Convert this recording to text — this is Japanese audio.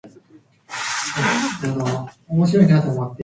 なんですぐなくなるねん